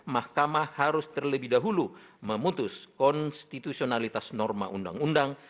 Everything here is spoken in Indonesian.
mahkamah harus terlebih dahulu memutus konstitusionalitas norma undang undang